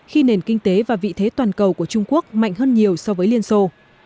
khi nền kinh tế và vị thế toàn cầu của trung quốc mạnh hơn nhiều so với liên xô